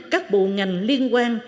các bộ ngành liên quan